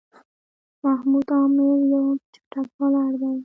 محمد عامِر یو چټک بالر دئ.